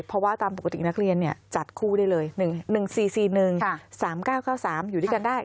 เพราะว่าตามปกตินักเรียนจัดคู่ได้เลย๑๔๔๑๓๙๙๓อยู่ด้วยกันได้